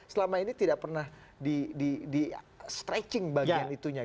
selama ini tidak pernah di stretching bagian itunya